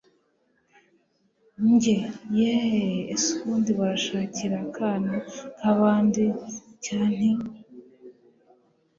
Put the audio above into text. njye yeeeeh! ese ubundi barashakiri akana kabandi cynti!